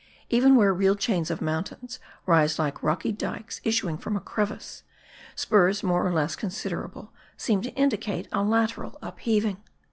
Even where real chains of mountains rise like rocky dykes issuing from a crevice, spurs more or less considerable, seem to indicate a lateral upheaving.